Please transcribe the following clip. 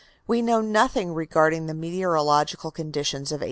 We know nothing regarding the meteorological conditions of 1831.